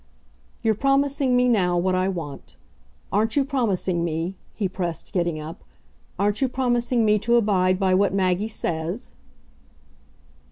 "You're promising me now what I want. Aren't you promising me," he pressed, getting up, "aren't you promising me to abide by what Maggie says?"